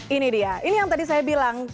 ini dia ini yang tadi saya bilang